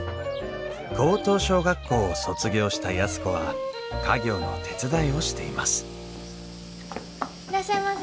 高等小学校を卒業した安子は家業の手伝いをしていますいらっしゃいませ。